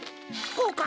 こうか？